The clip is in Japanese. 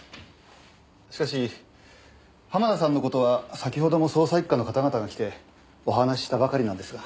しかし濱田さんの事は先ほども捜査一課の方々が来てお話ししたばかりなんですが。